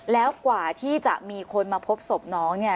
แล้วกว่าที่จะมีคนมาพบศพน้องเนี่ย